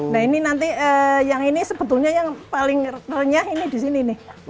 nah ini nanti yang ini sebetulnya yang paling renyah ini di sini nih